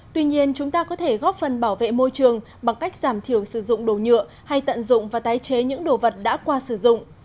tuy nhiên chúng ta có thể góp phần bảo vệ môi trường bằng cách giảm thiểu sử dụng đồ nhựa hay tận dụng và tái chế những đồ vật đã qua sử dụng